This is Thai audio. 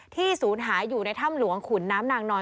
ศูนย์หายอยู่ในถ้ำหลวงขุนน้ำนางนอน